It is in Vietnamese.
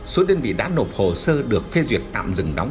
số đơn vị đã nộp hồ sơ được phê duyệt tạm dừng đóng